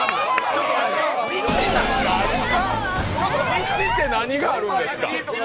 みちって何があるんですか？